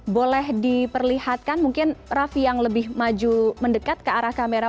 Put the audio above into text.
boleh diperlihatkan mungkin raffi yang lebih maju mendekat ke arah kamera